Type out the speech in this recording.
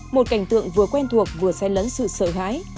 một cảnh tượng vừa quen thuộc vừa xe lẫn sự sợ hãi